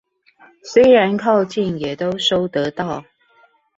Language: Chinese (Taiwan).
雖然靠近也都收得到